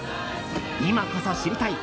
今こそ知りたい！